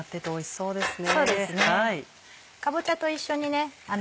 そうですね。